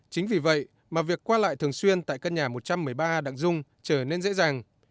chính vì vậy mà việc qua lại thường xuyên tại căn nhà một trăm một mươi ba đặng dung trở nên dễ dàng